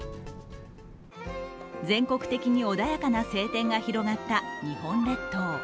全国的に穏やかな晴天が広がった日本列島。